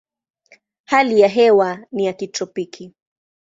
Hali ya hewa ni ya kitropiki.